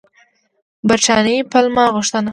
برټانیې پلمه غوښته.